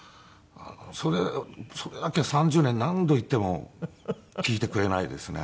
それだけ３０年何度言っても聞いてくれないですね。